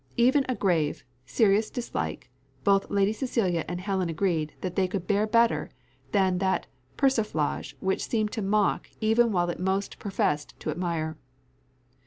'" Even a grave, serious dislike, both Lady Cecilia and Helen agreed that they could bear better than that persiflage which seemed to mock even while it most professed to admire.